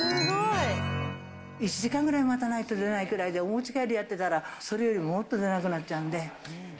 １時間ぐらい待たないと出ないくらいで、お持ち帰りやってたら、それよりもっと出なくなっちゃうんで。